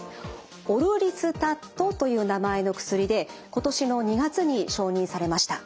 オルリスタットという名前の薬で今年の２月に承認されました。